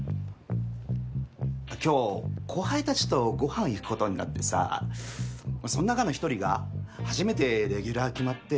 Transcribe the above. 今日後輩たちとごはん行くことになってさその中の１人が初めてレギュラー決まって。